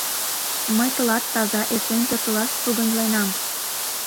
Мый тылат таза-эсен пӧртылаш сугыньленам.